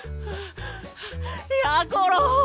やころ！